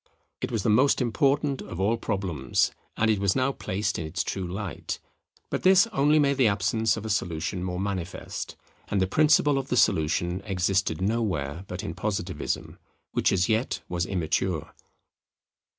It was the most important of all problems, and it was now placed in its true light. But this only made the absence of a solution more manifest; and the principle of the solution existed nowhere but in Positivism, which as yet was immature.